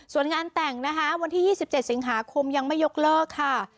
ส่วนงานแต่งนะคะวันที่๒๗สิงหาคมยังไม่ยกเลิกค่ะ